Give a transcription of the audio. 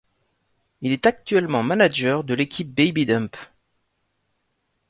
Il est actuellement manager de l'équipe Baby-Dump.